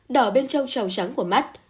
đỏ bên trong tròng trắng của mắt